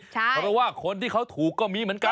เพราะว่าคนที่เขาถูกก็มีเหมือนกัน